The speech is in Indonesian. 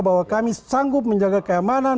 bahwa kami sanggup menjaga keamanan